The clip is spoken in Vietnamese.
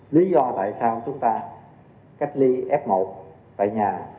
lý do tại sao chúng ta cách ly f một tại nhà